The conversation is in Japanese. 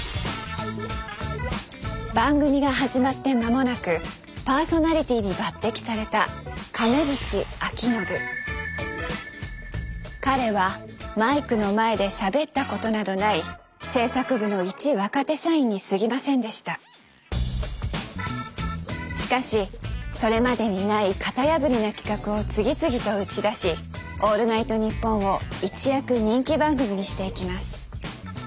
番組が始まって間もなくパーソナリティーに抜擢された彼はマイクの前でしゃべったことなどない制作部の一若手社員にすぎませんでした。しかしそれまでにない型破りな企画を次々と打ち出し「オールナイトニッポン」を一躍人気番組にしていきます。